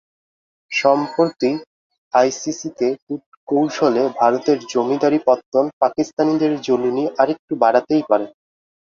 সম্প্রতি আইসিসিতে কূটকৌশলে ভারতের জমিদারি পত্তন পাকিস্তানিদের জ্বলুনি আরেকটু বাড়াতেই পারে।